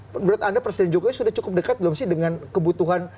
menurut anda presiden jokowi sudah cukup dekat belum sih dengan kebutuhan